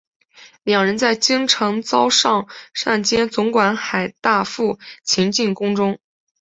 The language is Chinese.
两人在京城遭尚膳监总管海大富擒进宫中。